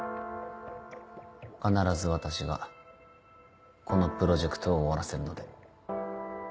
必ず私がこのプロジェクトを終わらせるので。